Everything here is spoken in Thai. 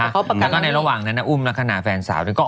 แล้วก็ในระหว่างนั้นอุ้มลักทนาแฟนสาวฟังอยู่